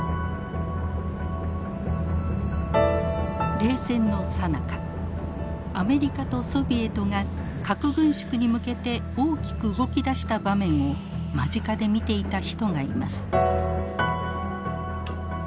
冷戦のさなかアメリカとソビエトが核軍縮に向けて大きく動き出した場面を間近で見ていた人がいます。